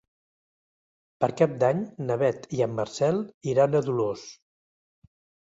Per Cap d'Any na Beth i en Marcel iran a Dolors.